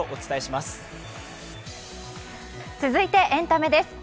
続いてエンタメです。